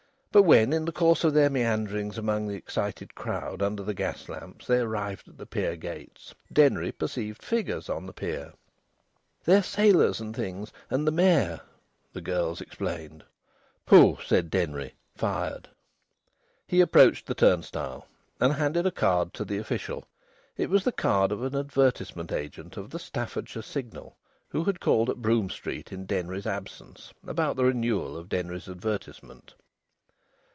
But when in the course of their meanderings among the excited crowd under the gas lamps they arrived at the pier gates, Denry perceived figures on the pier. "They're sailors and things, and the Mayor," the girls explained. "Pooh!" said Denry, fired. He approached the turnstile and handed a card to the official. It was the card of an advertisement agent of the Staffordshire Signal, who had called at Brougham Street in Denry's absence about the renewal of Denry's advertisement.